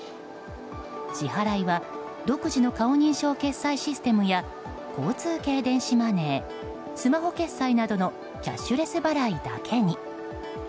支払いは独自の顔認証決済システムや交通系電子マネースマホ決済などのキャッシュレス払いだけに。